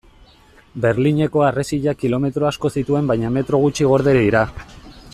Berlineko harresiak kilometro asko zituen baina metro gutxi gorde dira.